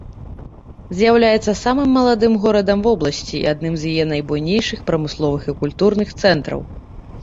З'яўляецца самым маладым горадам вобласці і адным з яе найбуйнейшых прамысловых і культурных цэнтраў.